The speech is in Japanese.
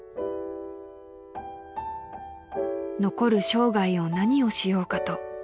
［「残る生涯を何をしようかと」］